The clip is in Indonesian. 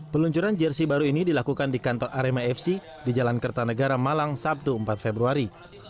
peluncuran jersi baru ini dilakukan di kantor arema fc di jalan kertanegara malang sabtu empat februari